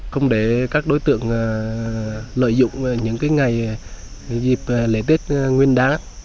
không để các đối tượng lợi dụng những ngày dịp lễ tết nguyên đá